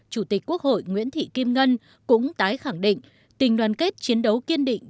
chủ tịch quốc hội nguyễn thị kim ngân cũng tái khẳng định tình đoàn kết chiến đấu kiên định